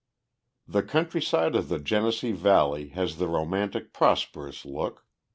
The countryside of the Genesee valley has the romantic prosperous look.